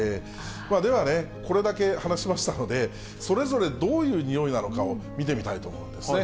ではね、これだけ話しましたので、それぞれ、どういうにおいなのかを見てみたいと思うんですね。